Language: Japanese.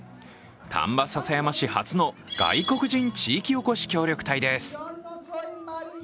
丹波篠山市初の外国人地域おこし協力隊です。